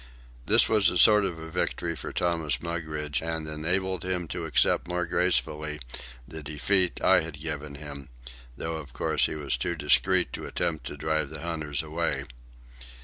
This was a sort of victory for Thomas Mugridge, and enabled him to accept more gracefully the defeat I had given him, though, of course, he was too discreet to attempt to drive the hunters away.